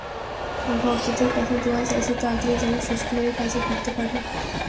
ভক্তদের কাছে দোয়া চাইছি তাড়াতাড়ি যেন সুস্থ হয়ে কাজে ফিরতে পারি।